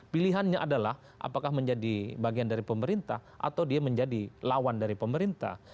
pilihannya adalah apakah menjadi bagian dari pemerintah atau dia menjadi lawan dari pemerintah